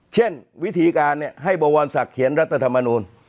เช่นวิธีการให้บสเขียนรัฐธรรมนุน